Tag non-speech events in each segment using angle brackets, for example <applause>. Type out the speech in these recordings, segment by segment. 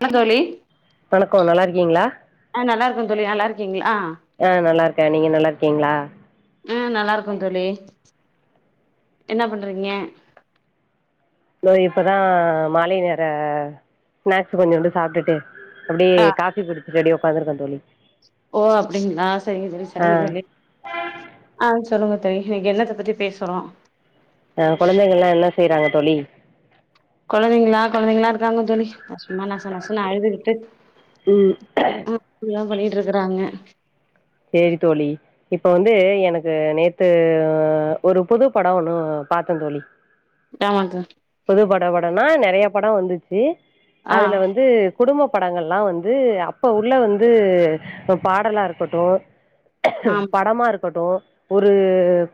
என்ன தோழி இருக்கிங்ளா ஆஹ் நல்லா இருக்கோந் தோழி நல்லா இருக்கீங்களா க நீங்க நல்லா இருக்கிங்ளா உஹ் நல்லா இருக்கோந் தோழி என்ன பண்றீங்க நா இப்பதா மாலை நேர ஸ்நாக்ஸ் கொஞ்சோண்டு சாப்பிட்டுட்டு அப்படியே ஆ காஃபி குடிச் ரெடியோ ஒக்காந்திருக்கே தோழி ஓ அப்படிங்களா சரிங்க சரி ஆ சரிங்க சரி ஆஹ் சொல்லுங்க தோழி இன்னைக்கு என்னத்த பத்தி பேசறோ ஆஹ் குழந்தைகள்ளாம் என்ன செய்றாங்க தோழி குழந்தைங்களா குழந்தைங்களா இருக்காங்க தோழி சும்மா நச நசன்னு அழுதுகிட்டு இப்டிதா பண்ணி இருக்கறாங்க சேரி தோழி இப்ப வந்து எனக்கு நேத்து ஒரு புது பட ஒண்ணு பாத்தே தோழி ஆமாக்கா புது பட பட ஆனா நறையா பட வந்துச்சு ஆ அதுல வந்து குடும்ப படங்கள்லா வந்து அப்போ உள்ள வந்து பாடலா இருக்கட்டு ஆமா படமா இருக்கட்டு ஒரு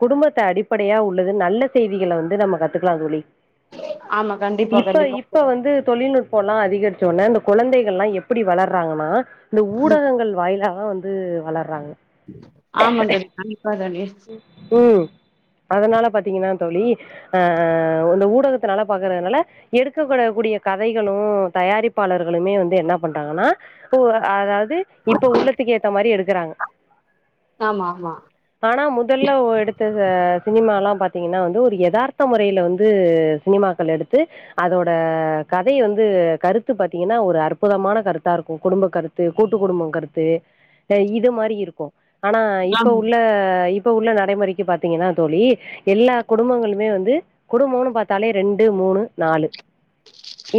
குடும்பத்த அடிப்படையா உள்ளது நல்ல செய்திகள வந்து நம்ம கத்துக்கலா தோழி ஆமா கண்டிப்பா இப்ப கண்டிப்பா இப்ப வந்து தொழில்நுட்ப இப்பல்லா அதிகரிச்ச உடனே இந்த குழந்தைகள் எல்லா எப்படி வளர்றாங்கன்னா இந்த ம் ஊடகங்கள் வாயிலாக தா வந்து வளர் ராங்க ஆமா தோழி கண்டிப்பா தோழி ம் ம் அதனால பாத்தீங்கன்னா தோழி அ இந்த ஊடகத்துனால பாக்கறதுனால எடுக்கப்படக்க கூடிய கதைகளு தயாரிப்பாளர்களுமே வந்து என்ன பண்றாங்கன்னா ஓ அதாவது து இப்ப உள்ளத்துக்கேத்தா மாரி எடுக் குறாங்க ஆமா ஆமா ஆனா முதல்ல ஒ எடுத் த்தது சினிமாலா பாத்தீங்கன்னா வந்து ஒரு எதார்த்த முறையில வந்து சினிமாக்கள் எடுத்து அதோட கதைய வந்து கருத்து பாத்தீங்கன்னா ஒரு அற்புதமான கருத்தாருக்கு குடும்ப கருத்து கூட்டு குடும்போ கருத்து ஆ இது மாரி இருக்கு ஆனா இப்ப ஆமா உள்ள அ இப்ப உள்ள நடைமுறைக்கு பாத்தீங்கன்னா தோழி எல்லா குடும்பங்களுமே வந்து குடும்போன்னு பாத்தாலே ரெண்டு மூணு நாலு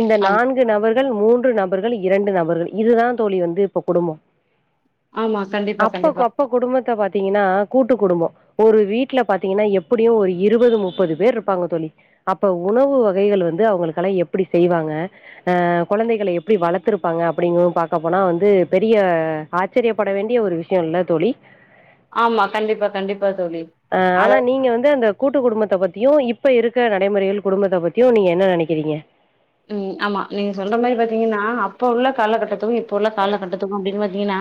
இந்த ஆமா நான்கு நபர் கள் மூன்று நபர்கள் இரண்டு நபர்கள் இதுதா தோழி வந்து இப்ப குடும்போ ஆமா கண்டிப்பா அப்பக்கு கண்டிப்பா அப்பக் குடும்பத்த பாத் தீங்கன்னா கூட்டு குடும்போ ஒரு வீட்ல பாத்தீங்கன்னா எப்படியு ஒரு இருவது முப்பது பேர்ருப்பாங்க தோழி அப்ப உணவு வகைகள் வந் ந்து அவுங்களுக்கெல்லா எப்புடி செய்வாங்க அ கொழந்தைகள எப்புடி வளத்துருப்பாங்க அப்புடிங்கு பாக்க போனா வந்து பெரிய ஆச்சரியப்பட வேண்டிய ஒரு விஷயோல்ல தோழி ஆமாங் கண்டிப்பா கண்டிப்பா தோழி அ ஆனா அதாவது நீங்க வந்து அந்த கூட்டு குடும்பத்த பத்தியு இப்ப இருக்க நடைமுறைகள் குடும்பத்த பத்தியு நீங்க என்ன நெனைக்கிறீங்க ம் ஆமா நீங்க சொல்ற மாரி பாத்தீங்கன்னா அப்போ உள்ள காலகட்டத்துக்கும் இப் இப்ப உள்ள கால கட்டத்துக்கு அப்புடின்னு பாத்தீங்கன்னா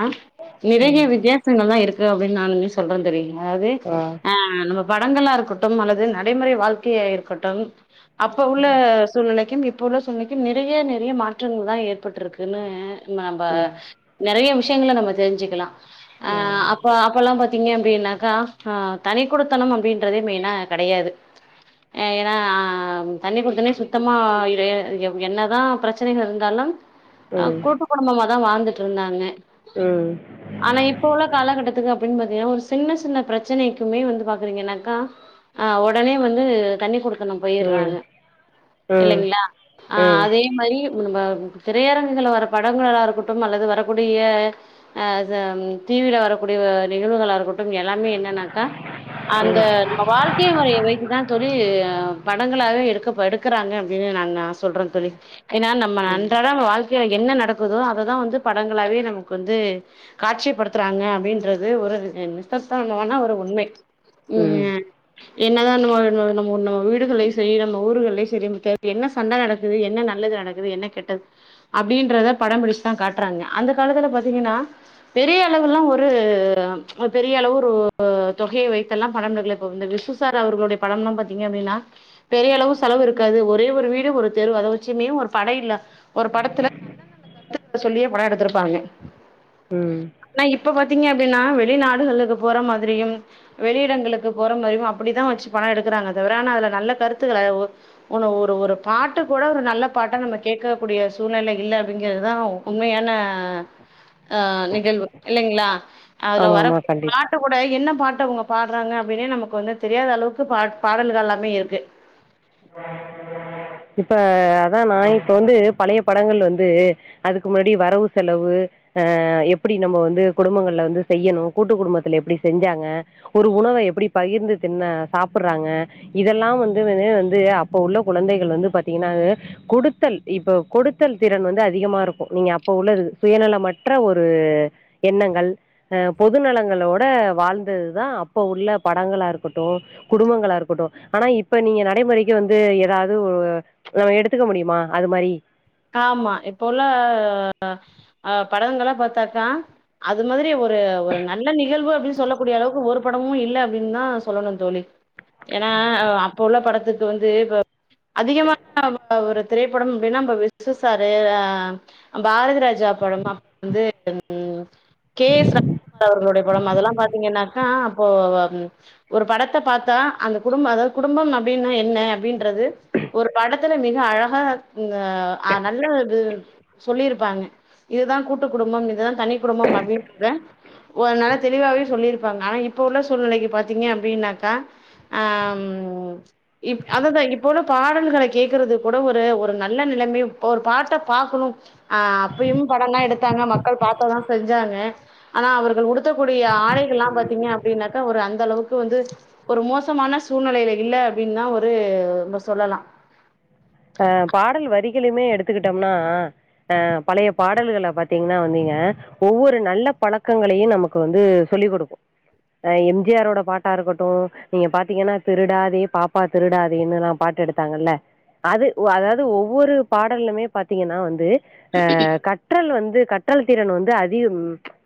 நெறைய வித்தியாசங்கள்தா இருக்கு து அப்புடின் நானுமே சொல்றே தோழி அதாவது ஆ. அ நம்ம படங்களா இருக்கட்டும் அல்லது நடைமுறை வாழ்க்கையா இருக்கட்டும் அப்ப உள்ள சூழ்நிலை <unintelligible> இப்போ உள்ள சூழ்நிலைக்கும் நெறைய நெறைய மாற்றங்கள்தா ஏற்பட்ருக்குன்னு நம்ப ம். நெறைய விஷயங்கல நம்ப தெரிஞ்சுக்கலா அ அப்ப அப்பொல்லா பாத் தீங்க அப்புடின்னாக்கா அ தனி குடுத்தனம் அப்புடின்றதே மெயினா கெடையாது ஏன்னா தனி குடுத்தனோ சுத்தமா ஏ என்னதா ப்ரச்சனைகள் இருந்தாலும் அ ம். கூட்டு குடும்பமாதா வாழ்ந்து ட்ருந்தாங்க ம். ஆனா இப்போ உள்ள காலகட்டத்துக்கு அப்டின் பாத் தேயோ ஒ சின்ன சின்ன பிரச்சனைக்குமே வந்து பாக்குறீங்கேயெனாக்கா ஆ ஒடனே வந்து தண்ணீ குடுக் தனோ ம். ம். போயிற்றாங்கே இல்லைங்ளா அ அதே மாரி நம்ப திரையரங்குகள்ல வர படங்களாகட்டு அல்லது வரக்கூடிய அ அது ம் டி வில வரக்கூடிய நிகழ்வுகளாருக்கட் எல்லாமே என்னன்னாக்கா அந்த ம். நம்ப வாழ்க்கே முறைய வைத்துதா தோழி படங்களாவே எடுக்க இப்ப எடுக்கறாங்க அப்டின்னு நாங்னா சொல்ற தோழி ஏனா நம்ம ம். அன்றாடோ வாழ்க்கேய என்ன நடக்குதோ அததா வந்து படங்களாவே நமக்கு வந்து காட்சிப்படுத்துறாங்க அப்டின்றது ஒரு ரி அ நிஸ்தத்தானமான ஒரு உண்மை ம் என்னதா நம்ம நம்ம நம்ம உன்னு வீடுகள்ளயு செய் ஊருகள்ளயு செரி <unintelligible> என்ன சண்ட நடக்குது என்ன நல்லது நடக்குது என்ன கெட்டது அப்டீன்றத படோ பிடிச்சுதா காட்றாங்க அந்த காலத்துல பாத்திங்கன்னா பெரிய அளவுலா ஒரு பெரிய அளவு ஒரு தொகைய வைத்தல்லா பணம் <unintelligible> இந்த விசு சார் அவர்களுடைய படம்லா பாத்தீங்க அப்டின்னா பெரிய அளவு செலவு இருக்காது ஒரே ஒரு வீ ஒரு தெரு அத வச்சியுமே ஒரு பட இல்ல ஒரு படத்துல நல்ல நல்ல கருத்துக்களை சொல்லியே படம் எடுத்திருப்பாங்க ம். னா இப்ப பாத்திங்க ன்னா வெளிநாடுகளுக்கு போற மாதிரியும் வெளியிடங்களுக்கு போற மாரியு, அப்படிதா வச்சு படோ எடுக்கறாங்க தவர அனா அதுல நல்ல கருத்துகள உ ஒன்னு ஒரு ஒரு பாட்டு கூட ஒரு நல்ல பாட்டா நம்ம கேக்கக்கூடிய சூழ்நிலை இல்ல அப்படிங்கறதுதா உண்மையான ஆ நிகழ்வு இல்லைங்களா அதுல ஆமாமா வரக் கண்டிப்பா. பாட்டு கூட என்ன பாட்டு பாட்ட அவங்க பாடுறாங்க அப்டின்னே நமக்கு வந்து தெரியாத அளவுக்கு பா பாடல்கள் எல்லாமே இருக்கு இப்ப அதான் நான் இப்ப வந்து பழைய படங்கள் வந்து அதுக்கு முன்னாடி வரவு செலவு ஆஹ் எப்படி நம்ம வந்து குடும்பங்கள்ல வந்து செய்யணும் கூட்டு குடும்பத்துல எப்படி செஞ்சாங்க ஒரு உணவ எப்படி பகிர்ந்து தின்ன சாப்ட்டுறாங்க இதெல்லாம் வந்து அது அப்ப உள்ள குழந்தைகள் வந்து பாத்தீங்கன்னா கொடுத்தல் இப்ப கொடுத்தல் திறன் வந்து அதிகமா இருக்கும் நீங்க அப்ப உள்ளது சுயநலமற்ற ஒரு எண்ணங்கள் அஹ் பொதுநலங்களோட வாழ்ந்ததுதான் அப்ப உள்ள படங்களா இருக்கட்டும் குடும்பங்களா இருக்கட்டும் ஆனா இப்ப நீங்க நடைமுறை வந்து ஏதாவது எடுத்துக்க முடியுமா அது மாரி ஆமா இப்ப உள்ள அ படங்கல்லா பாத்தாக்கா அது மாதிரி ஒரு ஒரு நல்ல நிகழ்வு அப்டின்னு சொல்லக்கூடிய அளவுக்கு ஒரு படமும் இல்ல அப்படின்தா சொல்லணு தோழி ஏன்னா அப்ப உள்ள படத்துக்கு வந்து இப்ப அதிகமான ஒரு திரை படம் அப்டினா நம்ப விசு சாரு பாரதிராஜா படம் அப்புற வந்து கே எஸ் ரவிக்குமார் அவர்களுடைய படம் அதெல்லாம் பாத்திங்கன்னாக்கா அப்போ ஒரு படத்த பாத்தா அந்த குடும்ப அதாவது குடும்பம் அப்டின்னா என்ன அப்டின்றது ஒரு படத்துல மிக அழகா அ சொல்லியிருப்பாங்க இதுதா கூட்டு குடும்பம் இதுதா தனி குடும்பம் அப்படின்றத ஒரு நல்ல தெளிவாவே சொல்லிருப்பாங்க ஆனா இப்ப உள்ள சூழ்நிலைக்கு பாத்திங்க அப்டின்னாக்கா ஆ இப் அதாதா இப்ப உள்ள பாடல்களை கேகறதுக் கூட ஒரு ஒரு நல்ல நிலைமை ஒரு பாட்ட பாக்கணும் ஆஹ் அப்பயும் படம்ல்லாம் எடுத்தாங்க மக்கள் பாக்க தான் செஞ்சாங்க ஆனா அவர்கள் உடுத்தக்கூடிய ஆடைகள் எல்லாம் பாத்தீங்க அப்படின்னாக்கா ஒரு அந்த அளவுக்கு வந்து ஒரு மோசமான சூழ்நிலையில இல்ல அப்படின்னுதான் ஒரு நம்ம சொல்லலாம் ஆஹ் பாடல் வரிகளுமே எடுத்துக்கிட்டோம்னா அஹ் பழைய பாடல்களை பாத்தீங்கன்னா வந்தீங்க ஒவ்வொரு நல்ல பழக்கங்களையும் நமக்கு வந்து சொல்லிக் கொடுக்கும் அஹ் எம் ஜி ஆரோட பாட்டா இருக்கட்டும் நீங்க பாத்தீங்கன்னா திருடாதே பாப்பா திருடாதேன்னுல்லாம் பாட்டு எடுத்தாங்கல்ல அது அதாது ஒவ்வொரு பாடலுமே பாத்திங்கன்னா வந்து அ கற்றல் வந்து கற்றல் திறன் வந்து அதிகம்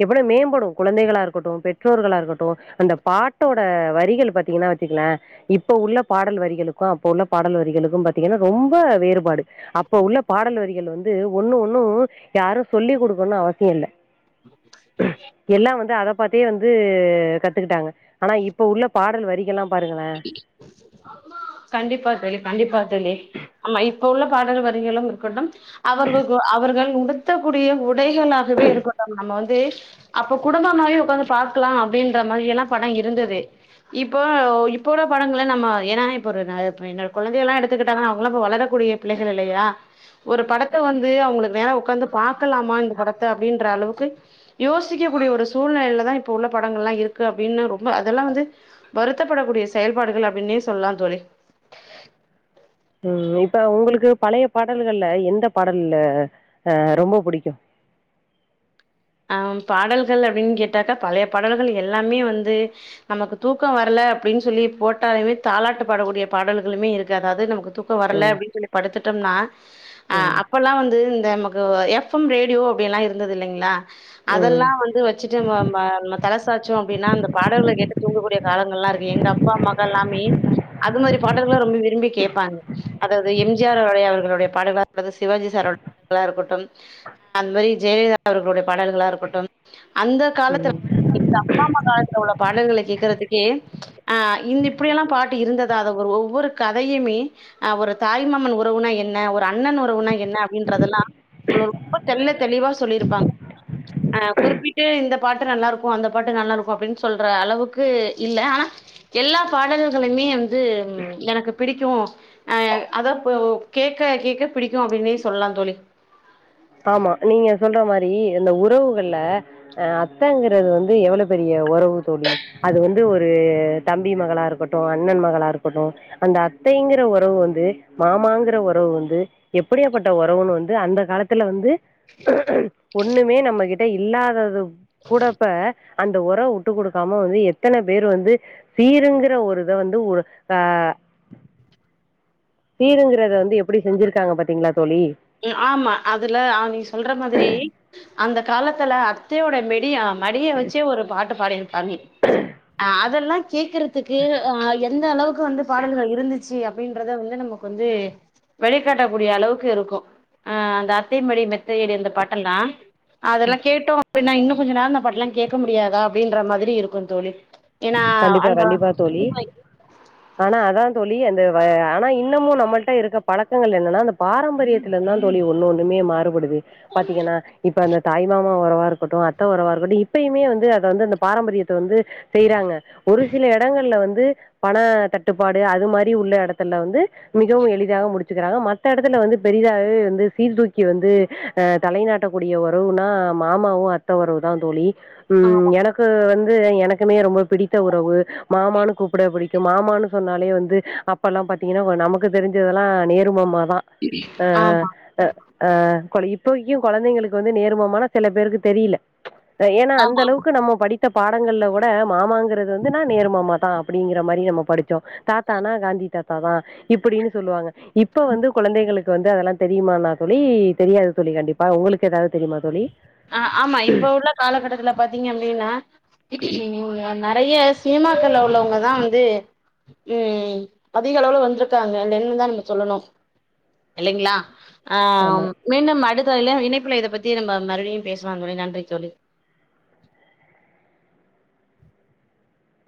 எவ்வள மேம்படு குழந்தைகளா இருக்கட்டு பெற்றோர்களா இருக்கட்டு அந்த பாட்டோட வரிகள் பாத்திங்கன்னா வெச்சுக்கலே இப்ப உள்ள பாடல் வரிகளுக்கு அப்ப உள்ள பாடல் வரிகளுக்கு பாத்தீங்கன்னா ரொம்ப வேறுபாடு அப்ப உள்ள பாடல் வரிகள் வந்து ஒண்ணு ஒண்ணும் யாரும் சொல்லிக கொடுக்கனு அவசியம் இல்ல எல்லாம் வந்து அத பாத்தே வந்து கத்துக்கிட்டாங்க ஆனா இப்ப உள்ள பாடல் வரிகள்ல்லாம் கண்டிப்பா தோழி கண்டிப்பா தோழி ஆமா இப்ப உள்ள பாடல் வரிகளும் இருக்கட்டும் அவர்கள் அவர்கள் உடுத்தக்கூடிய உடைகளாகவே இருக்கட்டும் நம்ம வந்து அப்ப குடும்பம் மாரி உக்காந்து பாக்லா அப்படின்ற மாரி எல்லா பட இருந்தது இப்போ இப்போ உள்ள படங்கள் நம்ம ஏன்னா இப்போ என்னோட குழந்தைகள எல்லாம் எடுத்துக்கிட்டாங்கன்னா அவுங்களாம் இப்ப வளரக்கூடிய பிள்ளைகள் இல்லையா ஒரு படத்த வந்து அவுங்களுக்கு வேற உட்காந்து பார்க்கலாமா இந்த படத்தை அப்படின்ற அளவுக்கு யோசிக்கக்கூடிய ஒரு சூழ்நிலையில தான் இப்போ உள்ள படங்கள்லாம் இருக்கு அப்படின்னு ரொம்ப அதெல்லாம் வந்து வருத்தப்படக்கூடிய செயல்பாடுகள் அப்டின்னே சொல்லலா தோழி ம் இப்ப உங்களுக்கு பழைய பாடல்கள்ல எந்த பாடல்ல அஹ் ரொம்ப பிடிக்கும் ஆ பாடல்கள் அப்டின் கேட்டாக்கா பழைய பாடல்கள் எல்லாமே வந்து நமக்கு தூக்க வரல அப்படின் சொல்லி போட்டாலுமே தாலாட்டு பாடக்கூடிய பாடல்களுமே இருக்கு அதாது நமக்கு தூக்கோ வரலே ம் அப்டின் சொல்லி படுத்துட்டோம்னா ஆ அப்பல்லா வந்து இ தா மக்கு ஓ எஃப் எம் ரேட்யோ அப்டின்லா இருந்தது இல்லைங்ளா ம் அதெல்லா வந்து வெச்சுட்டு நம்போ பா மத் <unintelligible> தாச்சோ அப்டினா அந்த பாடல்கள கேட்டு தூங்கக்கூடிய காலங்கள்லா இருக்கு எங்கே அப்பா அம்மாகள்லாமே அது மாரி பாடல்கள்லா ரொம்ப விரும்பி கேப்பாங்கே அதாவுது எம் ஜி ஆர் அவர்களுடைய அவர்களுடைய பாடல்கலா அடுது சிவாஜி சார்ரோட <inaudible> இருக்கட்டும் அந்மாரி ஜெயலலிதா அவர்களுடைய பா பாடல்களா இருக்கொட்டும் அந்தே ம் காலத்துலே எங் அப்பா அம்மா காலத்துலே உள்ள பாடல்கள கேக்கறதுக் கே ச்ச ஆ இந் இப்பிடியெல்லா பாட்டு இருந்ததாதோ ஒ ஒவ்வொரு கதையுமே அ ஒரு தாய்மாமனு உறவுனா என்னே ஒரு அண்ணன் உறவுனா என்னே அப்டின்றதெல்லா <unintelligible> ரொம்ப தெல்ல தெளிவா சொல்லியிருப்பாங்கே ஆ குறிப்பிட்டு இந்த பாட்டு நல்லாருக்கோ அந்த பாட்டு நல்லாளுக்கோ அப்டின் சொல்றே அளவுக்கு இல்லே ஆனா எல்லா பாடல்களுமே வந்து ம் எனக்கு பிடிக்கூ ஆ யங் அதாப்போ கேட்க கேட்க பிடிக்கோ அப்டின்னே சொல்லா தோழி ஆமா நீங்கே சொல்றே மாரி இந்த உறவுகள்லே ஆ அத்தேங்கிறது வந்து எவ்ளோ பெரியே ஒறவு தோழி அது வந்து ஒரு தம்பி மகளா இருக்கட்டோ அண்ணன் மகளா இருக்கட்டோ அந்த அத்தைங்கிற ஒறவு வந்து மாமாங்கிற ஒறவு வந்து எப்பிடியாப்பட்ட ஒறவுனு வந்து அந்த காலத் த்துல வந்து ஒண்ணுமே நம்ம கிட்ட இல்லாதது கூடப்ப அந்த உற விட்டுக்கொடுக்காம வந்து எத்தனை பேரு வந்து சீருங்கிற ஒரு இதை வந்து ஆஹ் சீருங்கறதே வந்து எப்படி செஞ்சிருக்காங்கே பாத்தீங்ளா ம் ஆமா அதுலே அவுங் சொல்ற மாதிரி அந்தே காலத்துலே அத்தியோட மெடியா மடிய வச்சே ஒரு பாட்டு பாடி காமி ஆ அ இதெல்லா கேக்குறதுக்கு ஆ அந்த அளவுக்கு வந்து பாடல்கள் இருந்துச்சு அப்படின்றத வந்து நமக்கு வந்து வழிகாட்டக்கூடிய அளவுக்கு இருக்கும் ஆ அந்த அத்தைைமடி மெத்தையடி அந்த பாட்டெல்லா அதெல்லா கேட்டோ இப்ப நா இன்னு கொஞ்ச நேரம் அந்த பாட்டல்லா கேட்க முடியாத அப்படின்ற மாதிரி இருக்கும் தோழி ஏன்னா கண்டிப்பா அந்த கண்டிப்பா தோழி ஆனா அதா தோழி அந்த ப ஆனா இன்னமு நம்மள்ட்ட இருக்க பழக்கங்கள் என்னன்னா அந்த பாரம்பரியத்துல இருந்து தா தோழி ஒன்னு ஒண்ணுமே மாறுபடுது பாத்தீங்கன்னா இப்ப அந்த தாய்மா உறவா இருக்கட்டு அத்த உறவா இருக்கட்டு இப்பயுமே வந்து அத வந்து அந்த பாரம்பரியத்த வந்து செய்றாங்க ஒரு சில எடங்கள்ல வந்து பண தட்டுப்பாடு அது மாரி உள்ள எடத்துல வந்து மிகவு எளிதாக முடித் வச்சுக்கிறாங்க மத்த எடத்துல வந்து பெரிதாவது வந்து சீர்தூக்கி வந்து அ தலைநாட்டக்கூடிய உறவுனா மாமாவு அத்த உறவு தா தோழி ஆமா ம் எனக்கு வந் <unintelligible> எனக்குமே ரொம்ப புடிக் அத்த உறவு மாமான்னு கூப்புடு அப்படிண்டு மாமானு சொன்னாலே வந்து அப்பெல்லா பாத்தீங்கன்னா நமக்கு தெரிஞ்சதெல்லா நேரு மாமா மா ஆ ஆமா ஆ ஆ கொழ இப்ப இங்கயு குழந்தைங்களுக்கு வந்து நேர் மாமான சில பேருக்கு தெரியில ஏனா அந்த ஆமா. அளவுக்கு நம்ம படி த்த பாடங்கள்ல கூட மாமாங்குற வந்துனா நேரு மாமா தா அப்படிங்ற மாதிரி நம்ம படிச்சோம் தாத்தானா காந்தி தாத்தா தா இப்படின்னு சொல்லுவாங்க இப்ப வந்து குழந்தைங்களுக் க்குவந்து அதெலா தெரியுமா நா தோழி தெரியாது தோழி கண்டிப்பா உங்களுக்கு ஏதாது தெரியுமா தோழி அஹ் ஆமா இப்ப உள்ள காலகட்டத்துல பாத்தீங்கப்படின்னா நெறைய சினிமாக்கள்ள உள்ளவங்கதா வந்து உம் அதிக அளவுவுல வந்திருக்காங்களே நம்ம சொல்லணும் இல்லங்களா ஆமா ஆஹ் மீண்டும் அடுத் த்தல இணைப்பில இத பத்தி நம்ம மறுபிடியும் பேசுல தோழி நன்றி தோழி